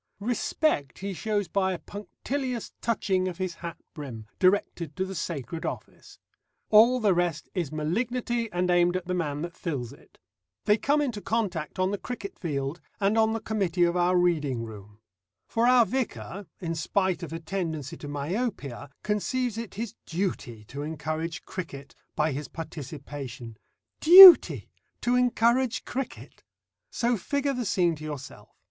Respect he shows by a punctilious touching of his hat brim, directed to the sacred office; all the rest is malignity, and aimed at the man that fills it. They come into contact on the cricket field, and on the committee of our reading room. For our vicar, in spite of a tendency to myopia, conceives it his duty to encourage cricket by his participation. Duty to encourage cricket! So figure the scene to yourself.